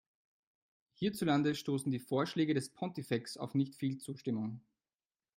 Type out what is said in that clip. Hierzulande stoßen die Vorschläge des Pontifex auf nicht viel Zustimmung.